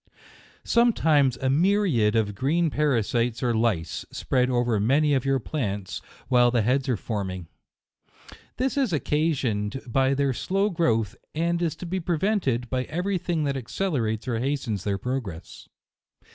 Sometimes a myriad of green parasites or lice, spread over many of your plants while the heads are forming. This is occasioned by their slow growth, and is to be prevented by every thing that accelerates or hastens their progress.